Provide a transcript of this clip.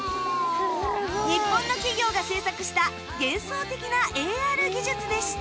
日本の企業が制作した幻想的な ＡＲ 技術でした